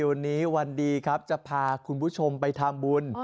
วันนี้วันดีครับจะพาคุณผู้ชมไปทำบุญ